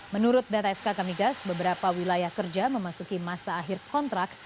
menurut data skk migas beberapa wilayah kerja memasuki masa akhir kontrak